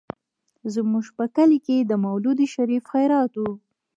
زموږ په کلي کې د مولود شريف خيرات و.